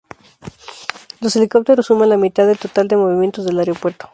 Los helicópteros suman la mitad del total de movimientos del aeropuerto.